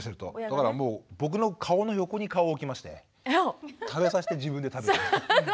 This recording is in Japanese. だからもう僕の顔の横に顔を置きましてね食べさせて自分で食べて。